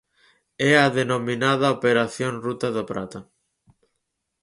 É a denominada operación Ruta da Prata.